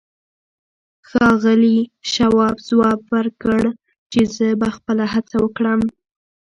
ښاغلي شواب ځواب ورکړ چې زه به خپله هڅه وکړم.